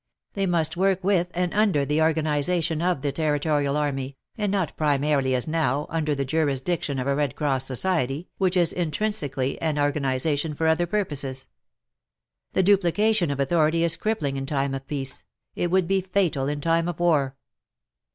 They must work with and under the organization of the Territorial army, and not primarily, as now, under the jurisdiction of a Red Cross Society, which is intrinsically an organization for other purposes. The duplica tion of authority is crippling in time of peace ; it would be fatal in time of war.